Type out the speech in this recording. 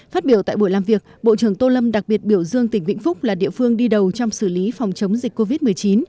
phát biểu tại buổi làm việc bộ trưởng tô lâm đặc biệt biểu dương tỉnh vĩnh phúc là địa phương đi đầu trong xử lý phòng chống dịch covid một mươi chín